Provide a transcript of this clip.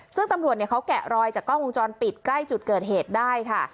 ซึ่งตำรวจเขาแกะรอยจากกล้องวงจรปิดใกล้จุดเกิดเหตุได้ค่ะ